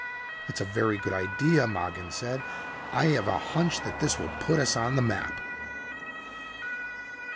"That's a very good idea," Mogin said. "I have a hunch that this will put us on the map."